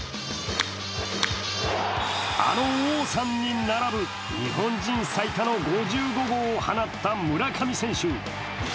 あの王さんに並ぶ日本最多の５５号を放った村上選手。